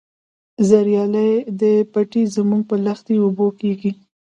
زریالي دي پټی زموږ په لښتي اوبه کیږي.